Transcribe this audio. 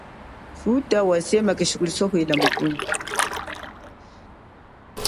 Thutha wasema keshi kuli sohwela mukunyi.